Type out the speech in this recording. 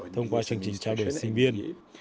thông qua chương trình trao đổi sinh viên